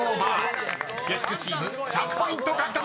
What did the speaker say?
［月９チーム１００ポイント獲得です］